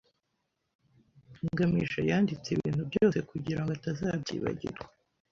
ngamije yanditse ibintu byose kugirango atazabyibagirwa.